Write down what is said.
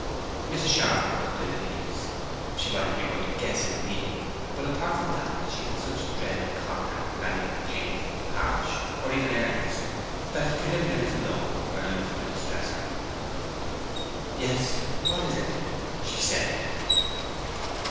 Mrs. Charmond looked ill at ease. She might have begun to guess his meaning; but apart from that, she had such dread of contact with anything painful, harsh, or even earnest, that his preliminaries alone were enough to distress her. "Yes, what is it?" she said.